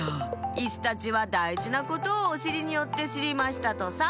イスたちはだいじなことをおしりによってしりましたとさ」。